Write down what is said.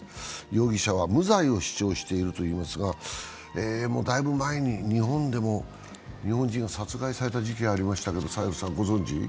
容疑者は無罪を主張しているといいますが、だいぶ前に日本でも日本人が殺害された事件ありましたけどサヘルさん、ご存じ？